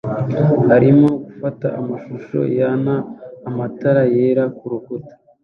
arimo gufata amashusho yana matara yera kurukuta